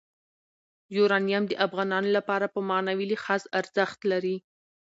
یورانیم د افغانانو لپاره په معنوي لحاظ ارزښت لري.